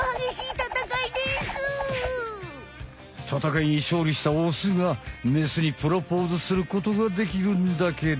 戦いにしょうりしたオスがメスにプロポーズすることができるんだけど。